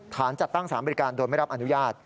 จัดตั้งสารบริการโดยไม่รับอนุญาต